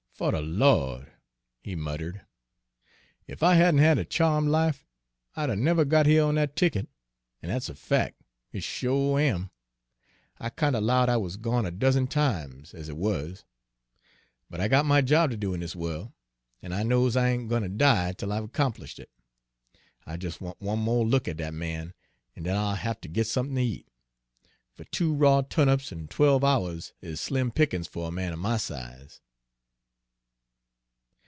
"'Fo de Lawd!" he muttered, "ef I hadn' had a cha'm' life, I'd 'a' never got here on dat ticket, an' dat's a fac' it sho' am! I kind er 'lowed I wuz gone a dozen times, ez it wuz. But I got my job ter do in dis worl', an' I knows I ain' gwine ter die 'tel I've 'complished it. I jes' want one mo' look at dat man, an' den I'll haf ter git somethin' ter eat; fer two raw turnips in twelve hours is slim pickin's fer a man er my size!"